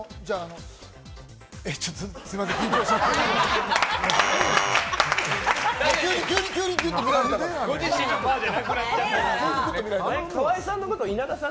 ちょっと、すいません。